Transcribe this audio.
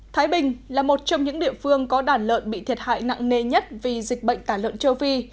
thái bình là một trong những địa phương có đàn lợn bị thiệt hại nặng nề nhất vì dịch bệnh tả lợn châu phi